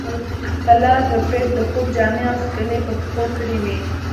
پلار ربیټ د خوب جامې او څپلۍ په پښو کړې وې